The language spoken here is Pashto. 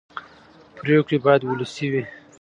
پرېکړې باید ولسي وي